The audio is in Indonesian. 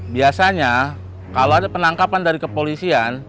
biasanya kalau ada penangkapan dari kepolisian